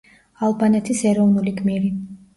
ალბანეთის ეროვნული გმირი.